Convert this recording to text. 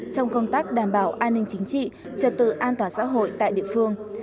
trong công tác đảm bảo an ninh chính trị trật tự an toàn xã hội tại địa phương